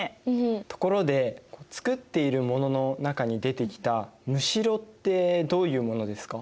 ところで作っているものの中に出てきたむしろってどういうものですか？